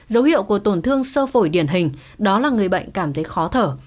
dấu hiệu của tổn thương sơ phổi điển hình đó là người bệnh cảm thấy khó thở